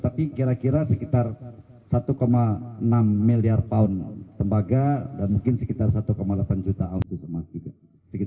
tapi kira kira sekitar satu enam miliar pound tembaga dan mungkin sekitar satu delapan juta outus emas juga